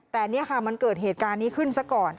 แต่นี่ค่ะมันเกิดเหตุการณ์นี้ขึ้นซะก่อน